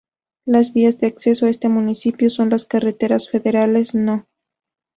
Las vías de acceso a este municipio son las carreteras federales No.